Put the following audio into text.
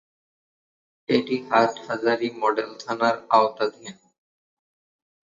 এটি হাটহাজারী মডেল থানার আওতাধীন।